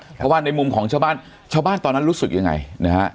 เพราะว่าในมุมของชาวบ้านชาวบ้านตอนนั้นรู้สึกยังไงนะฮะ